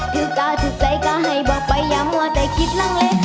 ถือตาถือใจก็ให้บอกไปอย่ามั่วแต่คิดลังเล